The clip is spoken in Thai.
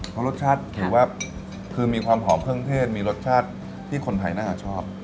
เพราะรสชาติถือว่าคือมีความหอมเครื่องเทศมีรสชาติที่คนไทยน่าจะชอบ